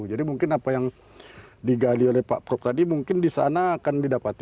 jadi mungkin apa yang digali oleh pak prok tadi mungkin di sana akan didapati